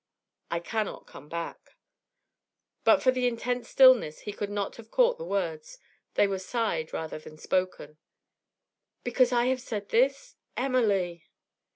'I cannot come back.' But for the intense stillness he could not have caught the words; they were sighed rather than spoken. 'Because I have said this? Emily!'